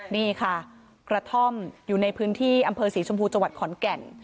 นี่ค่ะกระท่อมอยู่ในพื้นที่อำเภอศรีชมพูจังหวัดขอนแก่น